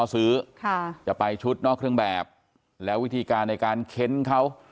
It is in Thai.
ซื้อค่ะจะไปชุดนอกเครื่องแบบแล้ววิธีการในการเค้นเขา